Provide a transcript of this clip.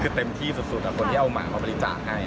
คือเต็มที่สุดกับคนที่เอาหมามาบริจาคให้